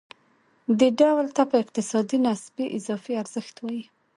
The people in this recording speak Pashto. دې ډول ته په اقتصاد کې نسبي اضافي ارزښت وايي